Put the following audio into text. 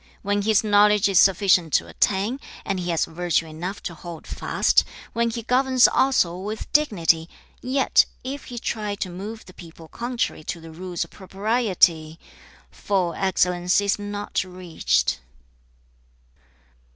3. 'When his knowledge is sufficient to attain, and he has virtue enough to hold fast; when he governs also with dignity, yet if he try to move the people contrary to the rules of propriety: full excellence is not reached.'